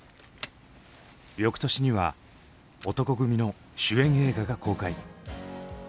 翌年には男闘呼組の主演映画が公開。